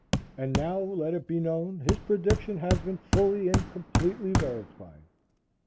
And now, let it be known, his prediction has been fully and completely verified.